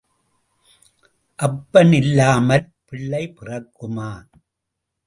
அப்பன் இல்லாமல் பிள்ளை பிறக்குமா?